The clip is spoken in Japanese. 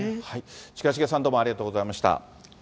近重さん、どうもありがとうございました。